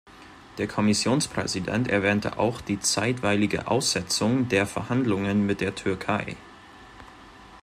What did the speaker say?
Der Kommissionspräsident erwähnte auch die zeitweilige Aussetzung der Verhandlungen mit der Türkei.